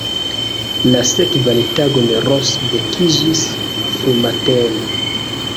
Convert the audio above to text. La sekvan tagon Ros vekiĝis frumatene.